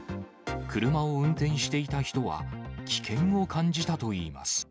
車を運転していた人は、危険を感じたといいます。